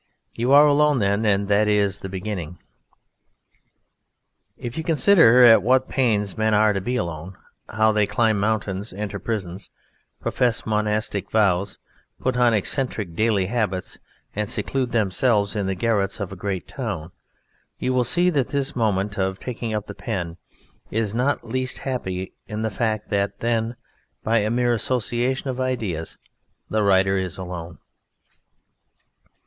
You are alone, then; and that is the beginning. If you consider at what pains men are to be alone: how they climb mountains, enter prisons, profess monastic vows, put on eccentric daily habits, and seclude themselves in the garrets of a great town, you will see that this moment of taking up the pen is not least happy in the fact that then, by a mere association of ideas, the writer is alone.